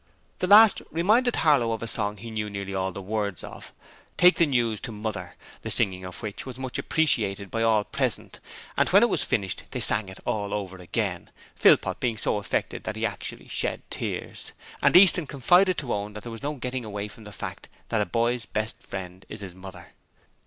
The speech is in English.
The last reminded Harlow of a song he knew nearly all the words of, 'Take the news to Mother', the singing of which was much appreciated by all present and when it was finished they sang it all over again, Philpot being so affected that he actually shed tears; and Easton confided to Owen that there was no getting away from the fact that a boy's best friend is his mother.